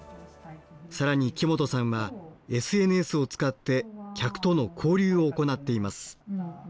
更に木本さんはＳＮＳを使って客との交流を行っています。